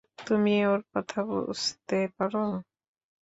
তুমি ওর কথা বুঝতে পার?